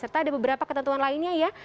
serta ada beberapa ketentuan lainnya ya